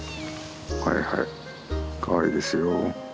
はいはいかわいいですよ。